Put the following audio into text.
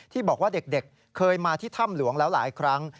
ที่บอกว่าเด็กเคยมาที่ถ้ำหลวงแล้วหลายครั้ง